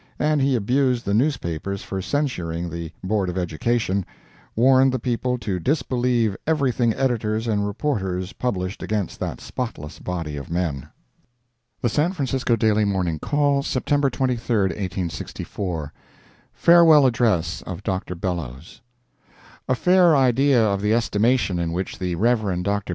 And he abused the newspapers for censuring the Board of Education—warned the people to disbelieve everything editors and reporters published against that spotless body of men. The San Francisco Daily Morning Call, September 23, 1864 FAREWELL ADDRESS OF DR. BELLOWS A fair idea of the estimation in which the Rev. Dr.